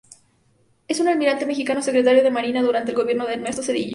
Es un almirante mexicano, Secretario de Marina durante el gobierno de Ernesto Zedillo.